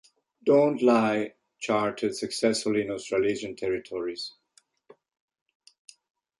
"Don't Lie" charted successfully in Australasian territories.